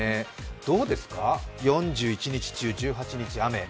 どうですか、４１日中、１８日雨。